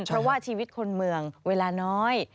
เพราะว่าชีวิตคนเมืองเวลาน้อย